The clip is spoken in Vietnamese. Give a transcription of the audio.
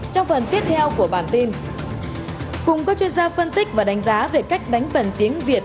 trong phần tiếp theo của bản tin cùng các chuyên gia phân tích và đánh giá về cách đánh vần tiếng việt